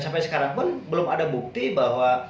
sampai sekarang pun belum ada bukti bahwa